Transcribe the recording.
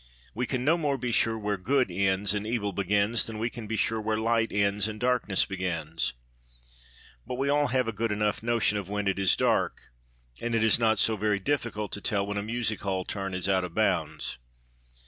We can no more be sure where good ends and evil begins than we can be sure where light ends and darkness begins. But we all have a good enough notion of when it is dark, and it is not so very difficult to tell when a music hall turn is out of bounds.